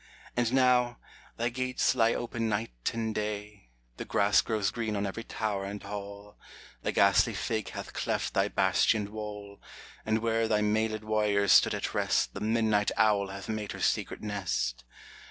And now — thy gates lie open night and day, The grass grows green on every tower and hall, The ghastly fig hath cleft thy bastioned wall ; And where thy mailM warriors stood at rest The midnight owl hath made her secret nest.